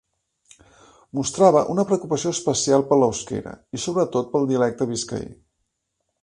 Mostrava una preocupació especial per l'euskera i sobretot pel dialecte biscaí.